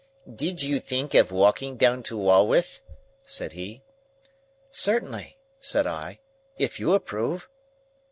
"Did you think of walking down to Walworth?" said he. "Certainly," said I, "if you approve."